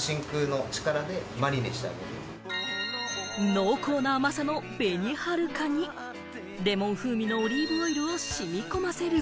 濃厚な甘さの紅はるかにレモン風味のオリーブオイルをしみこませる。